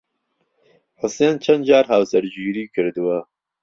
حوسێن چەند جار هاوسەرگیریی کردووە؟